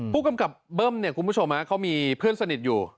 ผู้กำกับเบิ้มเนี่ยคุณผู้ชมเขามีเพื่อนสนิทอยู่